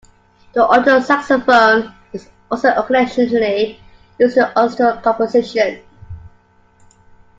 The alto saxophone is also occasionally used in orchestral compositions.